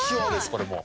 これもう。